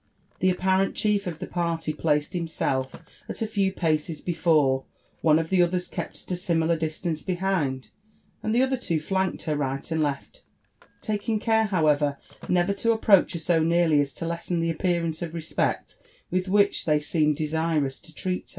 The apparent chief of the party placed himself at a few paces before, one of the others kept at a similar distance behind, and the other two flanked her right and left, taking care however, never to approach her so nearly as to lessen the appearance of respect with which they seemed desirous to treat her.